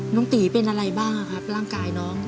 น้องตีเป็นอะไรบ้างครับร่างกายน้อง